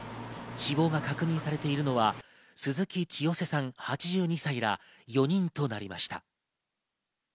死亡が確認されているのは鈴木チヨセさん８２歳ら、４人となりました。